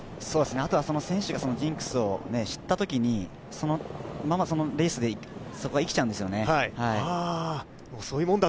あとは選手がそのジンクスを知ったときにそのままそのレースで生きちゃうんですよね。